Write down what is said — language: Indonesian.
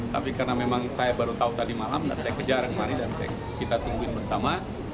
tapi karena memang saya baru tahu tadi malam dan saya kejar kemarin dan kita tungguin bersama